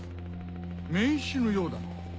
名刺のようだな。